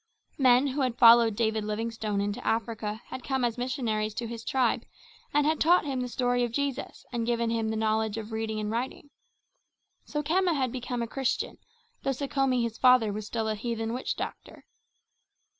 Men who followed David Livingstone into Africa had come as missionaries to his tribe and had taught him the story of Jesus and given him the knowledge of reading and writing. So Khama had become a Christian, though Sekhome his father was still a heathen witch doctor.